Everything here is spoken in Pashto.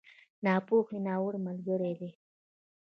ناپوهي، ناوړه ملګری دی.